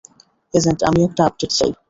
Agent, আমি একটা update চাই।